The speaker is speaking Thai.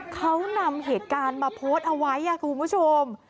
เขานำเหตุการณ์มาโพสต์เอาไว้คุณผู้ชม